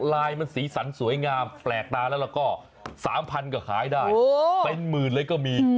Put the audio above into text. ลายมันสีสันสวยงามแปลกตาแล้วก็๓๐๐ก็ขายได้เป็นหมื่นเลยก็มี